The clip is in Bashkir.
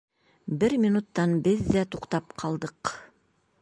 Бер минуттан беҙ ҙә туҡтап ҡалдыҡ.